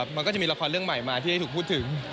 มันก็จะมีละครเรื่องใหม่มาที่ได้ถูกพูดถึง